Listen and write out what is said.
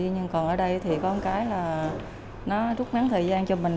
nhưng còn ở đây thì có một cái là nó rút ngắn thời gian cho mình